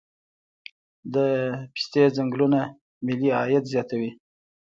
د پستې ځنګلونه ملي عاید زیاتوي.